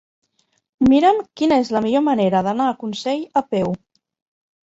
Mira'm quina és la millor manera d'anar a Consell a peu.